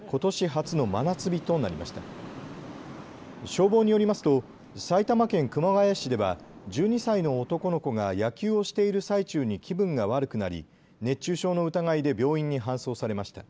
消防によりますと埼玉県熊谷市では１２歳の男の子が野球をしている最中に気分が悪くなり熱中症の疑いで病院に搬送されました。